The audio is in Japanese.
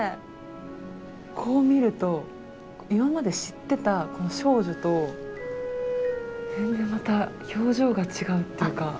こう見ると今まで知ってた少女と全然また表情が違うっていうか。